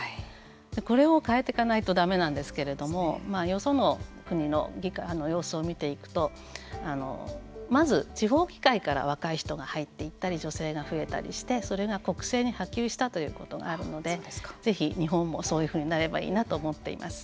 これを変えていかないとだめなんですけれどもよその国の様子を見ていくとまず地方議会から若い人が入っていったり女性が増えたりしてそれが国政に波及したということがあるのでぜひ日本もそういうふうになればいいなと思っています。